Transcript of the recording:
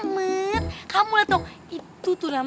buka pintu forbi